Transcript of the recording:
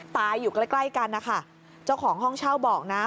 อยู่ใกล้ใกล้กันนะคะเจ้าของห้องเช่าบอกนะ